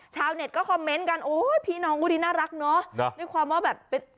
ชาวเน็ตก็คอมเมนต์กันโอ้ยพี่น้องก็ดีน่ารักเนาะ